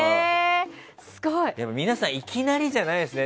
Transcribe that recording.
皆さんいきなりじゃないんですね。